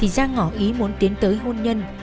thì giang ngỏ ý muốn tiến tới hôn nhân